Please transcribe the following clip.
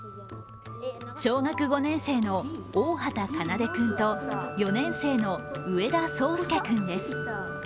小学５年生の大畑奏君と４年生の植田創介君です。